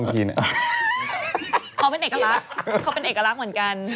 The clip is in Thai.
เขาเป็นเอกลักษณ์เขาเป็นเอกลักษณ์เหมือนกัน